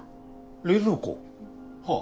冷蔵庫？はあ。